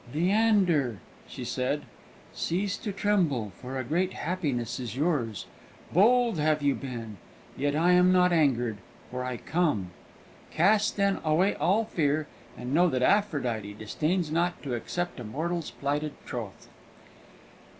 "Leander," she said, "cease to tremble, for a great happiness is yours. Bold have you been; yet am I not angered, for I come. Cast, then, away all fear, and know that Aphrodite disdains not to accept a mortal's plighted troth!"